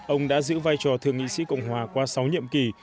ông đã giữ vai trò thượng nghị sĩ cộng hòa qua sáu nhiệm kỳ